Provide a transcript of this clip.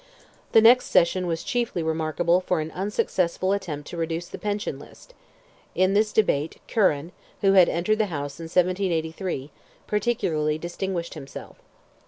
The next session was chiefly remarkable for an unsuccessful attempt to reduce the Pension List. In this debate, Curran, who had entered the House in 1783, particularly distinguished himself.